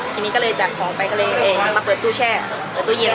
ทีนี้ก็เลยจัดของไปก็เลยมาเปิดตู้แช่เปิดตู้เย็น